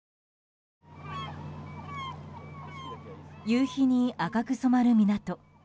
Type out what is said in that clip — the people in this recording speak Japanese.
夕日に赤く染まる港。